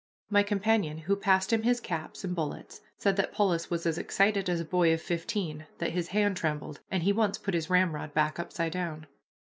My companion, who passed him his caps and bullets, said that Polis was as excited as a boy of fifteen, that his hand trembled, and he once put his ramrod back upside down.